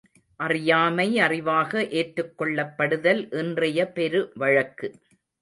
அறியாமை அறிவாக ஏற்றுக் கொள்ளப்படுதல் இன்றைய பெரு வழக்கு.